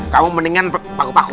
kamu mendingan paku paku